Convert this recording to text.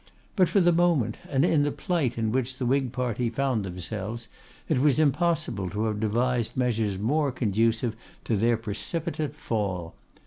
But for the moment, and in the plight in which the Whig party found themselves, it was impossible to have devised measures more conducive to their precipitate fall.